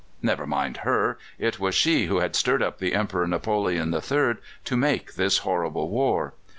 "Never mind her; it was she who had stirred up the Emperor Napoleon III. to make this horrible war."